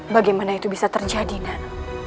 bagaimana itu bisa terjadi nana